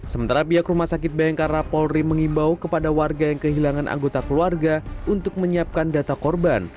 sementara pihak rumah sakit bayangkara polri mengimbau kepada warga yang kehilangan anggota keluarga untuk menyiapkan data korban